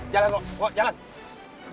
jalan dok jalan